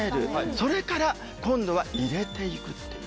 それから今度は入れていくっていう